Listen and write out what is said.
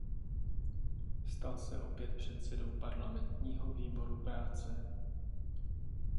Stal se opět předsedou parlamentního výboru práce.